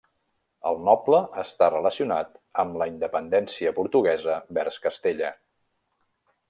El noble està relacionat amb la independència portuguesa vers Castella.